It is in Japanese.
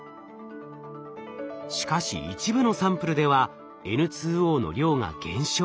しかし一部のサンプルではＮＯの量が減少。